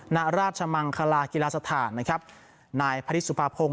ณราชมังคลากีฬาสถานนะครับนายพระฤทธสุภาพงศ